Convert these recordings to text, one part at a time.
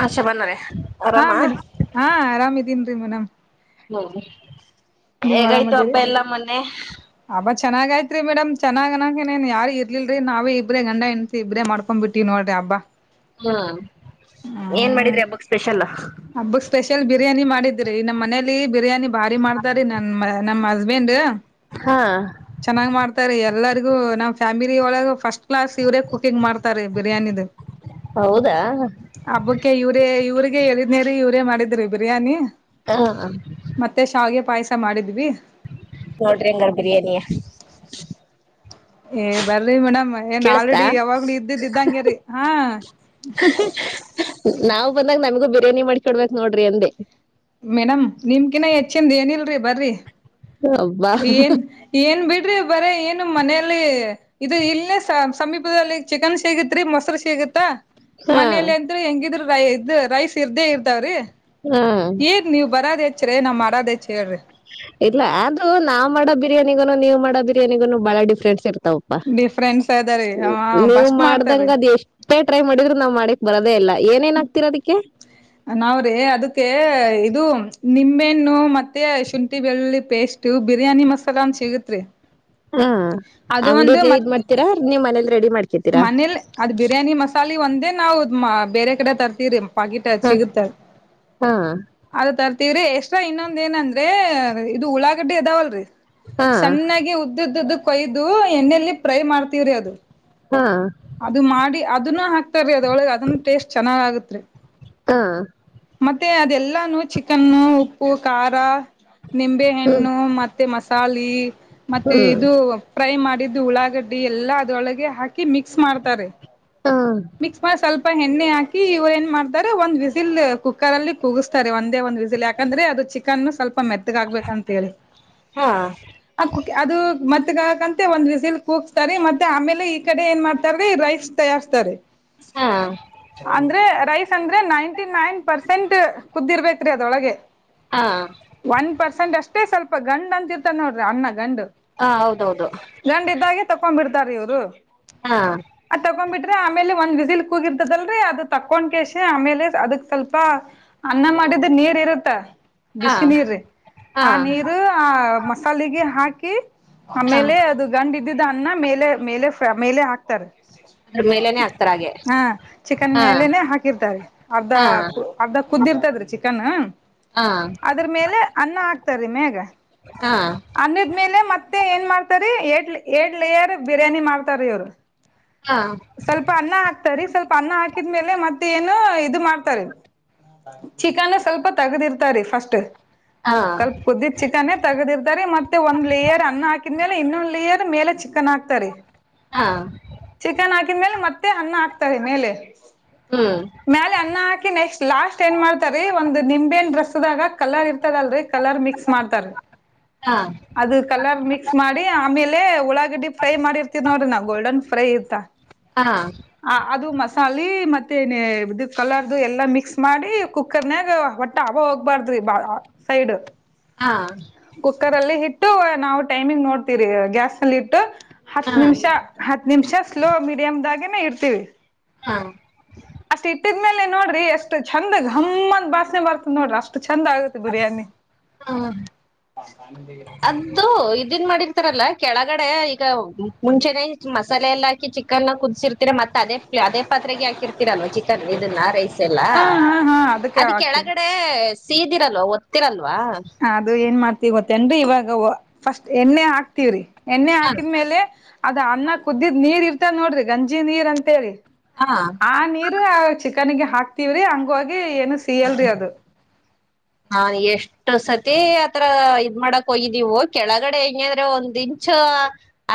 ಹಶೆ ಬಂದೆನೆ. ಹಾ ಮೇಡಮ್ ಹಾ ಆರಾಮ್ದೀನ್ ರೀ ಮೇಡಮ್. ಹ್ಮ್ ಹೇಗಾಯ್ತು ಹಬ್ಬ ಎಲ್ಲ ಮೊನ್ನೆ ಅಬ್ ಚೆನ್ನಾಗ ಆತ್ರಿ ಮೇಡಮ್ ಚೆನ್ನಾಗಿ ಅನಂಗಕೇನ್ ಯಾರು ಇರ್ಲಲ್ರಿ ನಾವೇ ಇಬ್ರೇ ಗಂಡ ಹೆಂಡತಿ ಇಬ್ರೇ ಮಾಡ್ಕೊಂಡ್ಬಟ್ಟ ನೋಡ್ರರಿ ಹಬ್ಬ. ಹ್ಮ್ [inaudible] ಏನ್ ಹ್ಮ ಮಾಡಿದ್ರಿ ಹಬ್ಬಕ್ ಸ್ಪೆಷಲ್. ಹಬ್ಬಕ್ ಸ್ಪೆಷಲ್ ಬಿರಿಯಾನಿ ಮಾಡಿದ್ರಿ ನಮ್ಮ್ ಮನೇಲಿ ಬಿರಿಯಾನಿ ಭಾರಿ ಮಾಡ್ತಾರಿೀ ನನ್ ನಮ್ ಹಸ್ಬೆಂಡ್ ಹಾ ಚೆನ್ನಾಗ್ ಮಾಡ್ತಾರೆ ಎಲ್ಲರಿಗು ನಮ್ಮ್ ಫ್ಯಾಮಿಲಿ ಒಳಗ ಫಸ್ಟ್ ಕ್ಲಾಸ್ ಇವರೇ ಕುಕಿಂಗ್ ಮಾಡ್ತಾರೆ ಬಿರಿಯಾನಿದ. [inaudible] ಹೌದಾ ಹಬ್ಬಕ್ಕೆ ಇವ್ರೇ ಇವ್ರಿಗೆ ಎಳಿದನೇರಿ ಇವ್ರೇ ಮಾಡಿದ್ರಿ ಬಿರಿಯಾನಿ. ಹಾ ಮತ್ತೆ ಶಾವಿಗೆ ಪಾಯಸ ಮಾಡಿದ್ವಿ. ನೋಡ್ರಿ ಹಂಗಾರ ಬಿರಿಯಾನಿಯಾ ಏ ಬರಿ ಮೇಡಮ್ ಏನ್ ಕೇಳಿಸ್ತಾ ಆಲ್ರೆಡಿ ಯಾವಾಗ್ಲು ಇದ್ದಿದ್ದ್ ಇದ್ದಂಗರಿ ಹಾ ನಾವು ಬಂದಾಗ ನಮಗೂ ಬಿರಿಯಾನಿ ಮಾಡಿಕೊಡ್ಬೇಕ ನೋಡ್ರಿ ಅಂದೇ. ಮೇಡಮ್ ನಿಮಕಿನ ಹೆಚ್ಚಿಂದ ಏನಿಲ್ರರಿ ಬರ್ರಿ [unintelligible] ಏನ್ ಏನ್ ಬಿಡ್ರಿ ಬರೆ ಏನು ಮನೇಲಿ ಇದು ಇಲ್ಲೆ ಸ ಸಮೀಪದಲ್ಲಿ ಚಿಕನ್ ಸಿಗತ್ರಿ ಮೊಸರು ಸಿಗತ್ತಾ ಹಾ ಮನೇಲಿ ಅಂದ್ರರು ಹೆಂಗಿದ್ರರು ರೈ ಇದ ರೈಸ್ ಇದ್ದೆ ಇರ್ತವರಿ ಹಾ ಏನ್ ನೀವ್ ಬರದ ಹೆಚ್ರಿ ನಾವ್ ಮಾಡೋದ ಹೆಚ್ ಹೇಳ್ರಿ. ಇಲ್ಲ ಅದು ನಾವ್ ಮಾಡ ಬಿರಿಯಾನಿಗನು ನೀವು ಮಾಡೋ ಬಿರಿಯಾನಿಗೂ ಬಾಳ ಡಿಫ್ರೆನ್ಸ್ ಇರ್ತಾವ. ಡಿಫ್ರೆನ್ಸ್ ಅದರಿ ಹ ನೀವು ಫಸ್ಟ್ ಮಾಡ್ತಾರೀ ಮಾಡ್ದಂಗ ಅದ್ ಎಷ್ಟು ಎಷ್ಟೇ ಟ್ರೈ ಮಾಡಿದ್ರರು ನಾವ್ ಮಾಡಕ್ ಬರದೇ ಇಲ್ಲ ಏನೇನ ಹಾಕ್ತೀರಾ ಅದಕ್ಕೆ? ನಾವ್ರೀ ಅದಕ್ಕೆ ಇದು ನಿಂಬೆಹಣ್ಣು ಮತ್ತೆ ಶುಂಠಿ ಬೆಳ್ಳಳ್ಳಿ ಪೇಸ್ಟ್ ವು ಬಿರಿಯಾನಿ ಮಸಾಲಾ ಅಂತ ಸಿಗತ್ರಿ ಹಾ ಅದು ಅಂಗಡಿ ಎಲ್ಲ ಇದ ಮಾಡ್ತೀರಾ ನೀವ್ ಮನೇಲಿ ರೆಡಿ ಮಾಡ್ತ ಮನೇಲಿ ಅದ್ ಬಿರಿಯಾನಿ ಮಸಾಲೆ ಒಂದೇ ನಾವು ಬೇರೆ ಕಡೆ ತರ್ತಿವಿರಿ. ಪಾಕೀಟ್ ಹ ಸಿಗತ್ತ ಹಾ ಅದ ತರ್ತಿವ್ರೀ ಎಕ್ಸ್ಟ್ರಾ ಇನ್ನೊಂದ ಏನಂದ್ರೆ ಇದು ಉಳ್ಳಾಗಡ್ಡೆ ಅದಾವಲ್ರಿ ಹಾ ಸಣ್ಣಗಿ ಉದ್ದದ್ದದ್ದ ಕೊಯ್ದು ಎಣ್ಣಲಿ ಪ್ರೈ ಮಾಡ್ತಿವ್ರಿ ಅದು ಹಾ. ಅದು ಮಾಡಿ ಅದನ್ನು ಹಾಕ್ತಾರೀ ಅದೊಳಗೆ ಅದನ್ನ ಟೇಸ್ಟ್ ಚೆನ್ನಾಗ್ ಆಗತ್ರಿ. ಹಾ. ಮತ್ತೆ ಅದೆಲ್ಲಾನು ಚಿಕನ್ ಉಪ್ಪು ಖಾರ ಹ್ಮ್ ನಿಂಬೆಹಣ್ಣು ಮತ್ ಮತ್ತೆ ಮಸಾಲೆ ಮತ್ತೆ ಹ್ಮ್ ಇದು ಫ್ರೈ ಮಾಡಿದ್ದು ಉಳ್ಳಾಗಡ್ಡಿ ಎಲ್ಲಾ ಅದ್ರೊಳಗೆ ಹಾಕಿ ಮಿಕ್ಸ್ ಮಾಡ್ತಾರೆ. ಹ. ಮಿಕ್ಸ್ ಮಾಡಿ ಸ್ವಲ್ಪ ಎಣ್ಣೆ ಹಾಕಿ ಇವ್ ಏನ್ ಮಾಡ್ತಾರೆ ಒಂದ್ ವಿಸಿಲ್ ಕುಕ್ಕರ್ ಅಲ್ಲಿ ಕುದಸ್ತಾರೆ. ತಾರೆ ಒಂದೇ ಒಂದ್ ವಿಸಿಲಿ ಯಾಕಂದ್ರೆ ಅದು ಚಿಕನ್ ಸ್ವಲ್ಪ ಮೆತ್ತಗ ಆಗ್ಬೇಕಂತ ಹೇಳಿ. ಹಾ ಹಾ ಆ ಕು ಅದು ಮೆತ್ತಗ ಆಗ್ಕಂತ ಒಂದ್ ವಿಸಲಿ ಕೂಕ್ಸ್ತಾರಿ ಮತ್ತೆ ಆಮೇಲೆ ಈ ಕಡೆ ಏನ್ ಮಾಡ್ತಾರೀ ರೈಸ್ ತಯಾರಸ್ತಾರೆ. ಹಾ. ಅಂದ್ರೆ ರೈಸ್ ಅಂದ್ರೆ ನೈಂಟಿ ನೈನ್ ಪರ್ಸೆಂಟ್ ಕುದ್ದಿರ್ ಬೇಕ್ರಿ ಅದರೋಳಗೆ ಹಾ. ಒನ್ ಪರ್ಸೆಂಟ್ ಅಷ್ಟೇ ಸ್ವಲ್ಪ ಗಂಡ್ ಅಂತಿರ್ತ ನೋಡ್ರಿ ಅನ್ನ ಗಂಡು ಹ ಹೌದೌದು. ಗಂಡ ಇದ್ದಾಗೆ ತಕೊಂಡ್ ಬಿಡ್ತಾರಿ ಇವ್ರು ಹಾ. ಆ ತಕ್ಕೊಂಡ್ ಬಿಟ್ರೆ ಆಮೇಲೆ ಒಂದ್ ಬಿಸಿಲ್ ಕೂಗರ್ತದಲ್ರಿ ಅದು ತಕೊಂಡ್ ಕಷೆ ಆಮೇಲೆ ಅದಕ್ ಸ್ವಲ್ಪ ಅನ್ನ ಮಾಡಿದ ನೀರ್ ಇರುತ್ತ ಹಾ ಬಿಸಿ ನೀರ ಹಾ ಆ ನೀರು ಮಸಾಲೆಗೆ ಹಾಕಿ ಹಾ ಆಮೇಲೆ ಅದು ಗಂಡ್ ಇದ್ದಿದ್ದ ಅನ್ನ ಮೇಲೆ ಮೇಲೆ ಮೇಲೆ ಹಾಕ್ತಾರಿ. ಅದ್ರ ಮೇಲೆನೆ ಹಾಕ್ತಾರ ಹಾಗೆ ಹಾ ಚಿಕನ್ ಹಾ ಮೇಲೆನೆ ಹಾಕಿರ್ತಾರೆ ಅರ್ಧ ಹಾ ಅರ್ಧ ಕುದ್ದಿರ್ತದ್ರಿ ಚಿಕನ್ ಹಾ ಅದ್ರ ಮೇಲೆ ಅನ್ನ ಹಾಕ್ತಾರೀ ಮೇಗ. ಹಾ ಅನ್ನದ್ ಮೇಲೆ ಮತ್ತೆ ಏನ್ ಮಾಡ್ತ ರೀ ಏಡ್ ಎಡ ಲೇಯರ್ ಬಿರಿಯಾನಿ ಮಾಡ್ತಾರ ಇವ್ರು. ಹಾ. ಸ್ವಲ್ಪ ಅನ್ನ ಹಾಕ್ತಾರಿ ಸ್ವಲ್ಪ ಅನ್ನ ಹಾಕಿದ್ಮೇಲೆ ಮತ್ತ ಏನು ಇದು ಮಾಡ್ತಾರ ರೀ. ಚಿಕನ್ ಸ್ವಲ್ಪ ತಗದಿರ್ತಾರ ರೀ ಫಸ್ಟ್. ಹಾ. ಕುದಿ ಚಿಕ್ಕನೇ ತಗದಿರ್ತಾರೆ ಮತ್ತೆಂದ ಲೇಯರ್ ಅನ್ನ ಹಾಕಿದ್ಮೇಲೆ ಇನ್ನೊಂದ್ ಲೇಯರ್ ಮೇಲೆ ಚಿಕನ್ ಹಾಕ್ತಾರಿ. ಹ. ಹಾ. ಚಿಕನ್ ಹಾಕಿದ್ಮೇಲೆ ಮತ್ತೆ ಅನ್ನ ಹಾಕ್ತಾರೆ ಮೇಲೆ. ಹ್ಮ್. ಮ್ಯಾಲೆ ಅನ್ನಾ ಹಾಕಿ ನೆಕ್ಸ್ಟ್ ಲಾಸ್ಟ್ ಏನ್ ಮಾಡ್ತಾರಿ ಒಂದು ನಿಂಬೆಹಣ್ಣಿನ ರಸದಾಗ ಕಲರ್ ಇರ್ತದಲ್ರರಿ ಕಲರ್ ಮಿಕ್ಸ್ ಮಾಡ್ತಾರ. ಹಾ ಅದು ಕಲರ್ ಮಿಕ್ಸ್ ಮಾಡಿ ಆಮೇಲೆ ಉಳ್ಳಾಗಡ್ಡಿ ಫ್ರೈ ಮಾಡಿರ್ತೀವಿ ನೋಡ್ರಿ ನಾವ ಗೋಲ್ಡನ್ ಫ್ರೈ ಇತ್ತಾ. ಹಾ ಆ ಅದು ಮಸಾಲೆ ಮತ್ತೆನ ಇ ಕಲರ್ದು ಎಲ್ಲಾ ಮಿಕ್ಸ್ ಮಾಡಿ ಕುಕ್ಕರ್ನಾಗ ಹೊಟ್ಟ ಅಬು ಹೋಗ್ಬಾರ್ದ್ರಿ ಸೈಡ್ ಹಾ ಕುಕ್ಕರ್ ಅಲ್ಲಿ ಇಟ್ಟು ನಾವು ಟೈಮಿಂಗ್ ನೋಡ್ತೀರಿ ಗ್ಯಾಸ್ ಲ್ಲಿ ಇಟ್ಟು ಹತ್ ಹಾ ಹಾ ನಿಮಿಷಾ ಹತ್ ನಿಮಿಷ ಸ್ಲೋ ಮೀಡಿಯಮ್ದಾಗೆನೆೇ ಇರ್ತೀವಿ ಹಾ ಅಷ್ಟ್ ಇಟ್ಟಿದ್ಮೇಲೆ ನೋಡ್ರಿ ಎಷ್ಟು ಚಂದ ಗಮ್ಮಂದ ವಾಸನೆ ಬರ್ತ ನೋಡ್ರಿ ಅಷ್ಟು ಚೆಂದ ಆಗುತ್ತೆ ಬಿರಿಯಾನಿ ಹಾ [unintelligible] ಇದು ಇದನ್ ಮಾಡಿರ್ತಾರಲ್ಲಾ ಕೆಳಗಡೆ ಈಗ ಮುಂಚೆನೆೇ ಮಸಾಲೆ ಎಲ್ಲಾ ಹಾಕಿ ಚಿಕನ್ ಕುದಸಿರ್ತ ಹರ ಮತ್ತೆದೇ ಅದೇ ಪಾತ್ರೆಗೆ ಹಾಕಿರ್ತೀರಲ್ವ ಚಿಕನ್ ಇದನ್ನ ರೈಸ್ ಎಲ್ಲಾ. ಹ ಹಾ ಹಾ ಅದಕ್ಕೆ ಅದ್ ಆಗ್ತೀವಿ ಕೆಳಗಡೆ ಸೀದಿರಲ್ವಾ ಹೋತ್ತಿರಲ್ವಾ ಅದು ಏನ್ ಮಾಡ್ತತಿವಿ ಗೊತ್ತೇನ್ರಿ ಇವಾಗ ಫಸ್ಟ್ ಎಣ್ಣೆ ಹಾಕ್ತವ್ರಿ. ಎಣ್ಣೆ ಹಾಕಿದ್ಮೇಲೆ ಅದ ಅನ್ನ ಕುದ್ದಿದ್ ನೀರ್ ಇರ್ತಾ ನೋಡ್ರಿ ಗಂಜಿ ನೀರ್ ಅಂತೇಳಿ ಹಾ ಆ ನೀರು ಚಿಕನ್ಗೆ ಹಾಕ್ತಿವ್ರಿ ಹಂಗೋಗಿ ಏನು ಸಿಯಲ್ರಿ ಅದು. ಹಾ ಎಷ್ಟು ಸತಿ ಆತ್ರಾ ಇದ್ ಮಾಡಾಕ್ ಹೋಗಿದ್ದೀವು ಕೆಳಗಡೆ ಹೆಂಗಾದ್ರೆ ಒಂದ ದಿಚ್ ಚೋ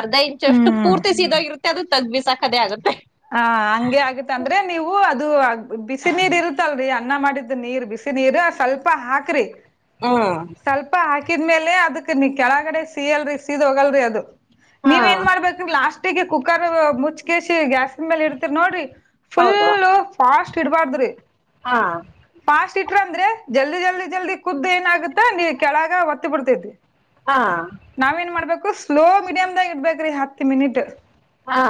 ಅರ್ಧ ಇಂಚ ಅಷ್ಟು ಹ್ಮ್ ಪೂರ್ತಿ ಸೀದಾಗಿರುತ್ತೆ ಅದು ತಗಬಿಸಕೋದೇ ಆಗತ್ತೆ ಹ ಹಂಗೆ ಆಗತ್ತ ಅಂದ್ರೆ ನೀವು ಅದು ಬಿಸ ನೀರ್ ಇರುತ್ತಲ್ರರಿ ಅನ್ನ ಮಾಡಿದ್ದು ನೀರ್ ಬಿಸಿ. ನೀರ ಸ್ವಲ್ಪ ಹಾಕ್ರಿ ಹ್ ಸ್ವಲ್ಪ ಹಾಕಿದ್ಮೇಲೆ ಅದಕ್ ನೀ ಕೆಳಗಡೆ ಸೀಯಲ್ರರಿ ಸೀದ್ ಹೋಗಲ್ರರಿ ಅದು. ಹಾ ನೀವ ಏನ್ ಮಾಡ್ಬೇಕು ಲಾಸ್ಟಿಗೆ ಕುಕ್ಕರ್ ಮುಚ್ಚಕೆಸಿ ಗ್ಯಾಸ್ ಇಡ್ತರಿ ನೋಡ್ರಿ ಹೌದು ಫುಲ್ಲು ಫಾಸ್ಟ್ ಇಡ್ಬಾರ್ದ್ರಿ. ಹಾ ಫಾಸ್ಟ್ ಇಟರ್ ಅಂದ್ರೆ ಜಲ್ದಿ ಜಲ್ದಿ ಜಲ್ದಿ ಖುದ್ದ ಏನಾಗುತ್ತಾ ನೀ ಕೆಳಗ ಒತ್ತಿ ಬಿಡ್ತಿತಿ. [unintelligible] ಹಾ ನಾವ್ ಏನ್ ಮಾಡ್ಬೇಕು ಸ್ಲೋ ಮೀಡಿಯಮ್ದಾಗ ಇಡ್ಬೇಕ್ರಿ ಹತ್ ಮಿನಿಟ್. ಹಾ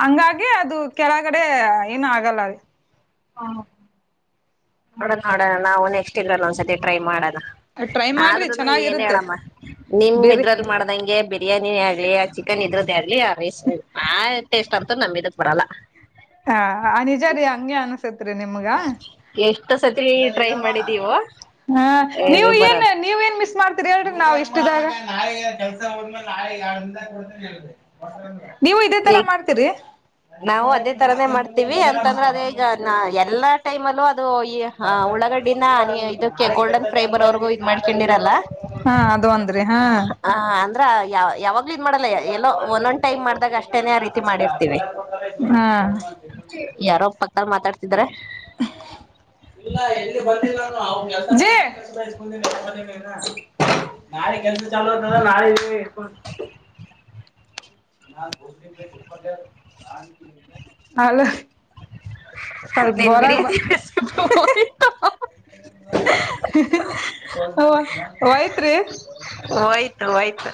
ಹಂಗಾಗಿ ಅದು ಕೆಳಗಡೆ ಏನು ಆಗಲ್ಲ ಅಲ್ಲಿ. ಹ ನೋಡೋಣ ನೋಡೋಣ ನಾವು ನೆಕ್ಸ್ಟ್ ಇಲ್ಲ ಒಂದ್ಸತಿ ಟ್ರೈ ಮಾಡೋಣ. ಟ್ರೈ ಮಾಡ್ರಿ ಆದ್ರೂನು ಏನ್ ಚೆನ್ನಾಗಿರುತ್ತೆ ಹೇಳಮ್ಮ ನಿಮ್ ಬೇರೆ ಇದ್ರಲ್ಲಿ ಮಾಡ್ದಂಗೆ ಬೆ ಬಿರಿಯಾನಿನೇ ಆಗ್ಲಿ ಆ ಚಿಕನ್ ಇದ್ರದೆ ಆಗ್ಲಿ ಆ ರೈಸ್ ಆ ಟೇಸ್ಟ್ ಅಂತ ನಮಿದಕ್ ಬರಲ್ಲ. ಹಾ ಅ ನಿಜಾರಿ ಅಂಗೆ ಅನುಸ್ ತ್ರಿ ನಿಮ್ಗ ಎಷ್ಟು ಸತಿ ಟ್ರೈ [unintelligible] ಮಾಡಿದೀವೋ ಹಾ ನೀವು ಇದು ಏನ್ ಬರಲ್ಲ ನೀವ್ ಏನ್ ಮಿಸ್ ಮಾಡ್ತ ಹೇಳ್ರಿ ನಾವ್ ಇಷ್ಟ್ದಾಗ [unintelligible] ನೀವು ಇದೇ ತರ ಈಗ ಮಾಡ್ತೀರಿ? ನಾವು ಅದೇ ತರಾನೇ ಮಾಡ್ತೀವಿ ಅಂತಂದ್ರೆ ಅದೇ ಈಗ ನ ಎಲ್ಲಾ ಟೈಮ್ ಅಲ್ಲೂ ಅದು ಈ ಉಳ್ಳಾಗಡ್ಡಿನ ಇದು ಗೋಲ್ಡನ್ ಫ್ರೈ ಬರ್ ಅವ್ರಗೂ ಇದ್ ಮಾಡ್ಕೊಂಡಿರಲ್ಲ ಹಾ ಅದು ಒಂದ್ರಿ ಹಾ ಅಂದ್ರ ಅ ಯಾ ಯಾವಾಗ್ [unintelligible] ಮಾಡಲ್ಲ ಎಲ್ಲೋ ಒಲೊಂದ್ ಟೈಮ್ ಮಾಡ್ದಾಗ ಅಷ್ಟೇನೆ ಆ ರೀತಿ ಮಾಡಿರ್ತಿವಿ. ಹಾ ಯಾರೋ ಪಕ್ದಲ್ ಮಾತಾಡ್ತಿದಾರೆ. ಇಲ್ಲ ಎಲ್ಲಿ ಬಂದಿಲ್ಲ [unintelligible] ನಾಳೆ ಕೆಲ್ಸ ಚಾಲು ಆತಂದ್ರ [unintelligible] [unintelligible] ಅಲ ಅಲ್ ನಿನ್ ಬರ ಬಿರಿಯಾನಿ [unintelligible] ಹೋಯ್ತು ಹಓ ಹೋಯ್ತ್ರಿ. ಹೋಯ್ತು ಹೋಯ್ತು.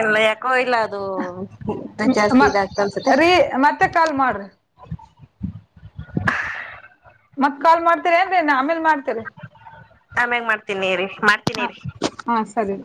ಎಲ್ಲ ಯಾಕೋ ಇಲ್ಲ ಅದು ಜಾಸ್ತಿ ಮತ್ ಇದಾಗ್ತ ಅನ್ಸತ್ತೆ. ರೀ ಮತ್ತೆ ಕಾಲ್ ಮಾಡ್ರಿ. ಮತ್ ಕಾಲ್ ಮಾಡ್ತೀರೇನ್ರಿ ನಾ ಆಮೇಲ್ ಮಾಡ್ತರಿ. ಆಮ್ಯಾಗ ಮಾಡ್ತೀನಿ ಇರಿ ಮಾಡ್ತೀನಿ ಇರಿ. ಹಾಂ ಸರಿ.